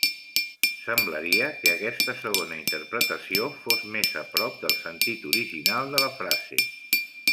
Semblaria que aquesta segona interpretació fos més a prop del sentit original de la frase.